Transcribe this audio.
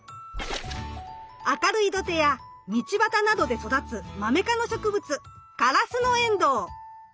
明るい土手や道ばたなどで育つマメ科の植物カラスノエンドウ。